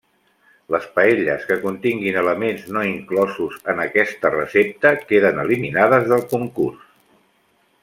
Les paelles que continguin elements no inclosos en aquesta recepta queden eliminades del concurs.